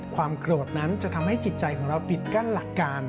ความโกรธนั้นจะทำให้จิตใจของเราปิดกั้นหลักการ